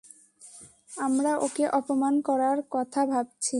আমরা ওকে অপমান করার কথা ভাবছি।